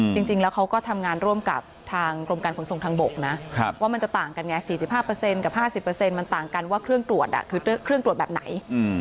จริงแล้วเขาก็ทำงานร่วมกับทางกรมการขนส่งทางบกนะว่ามันจะต่างกันไง๔๕กับ๕๐มันต่างกันว่าเครื่องตรวจคือเครื่องตรวจแบบไหน